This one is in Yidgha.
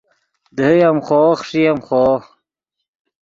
دیہے ام خوو خݰئے ام خوو